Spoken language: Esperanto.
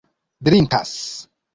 drinkas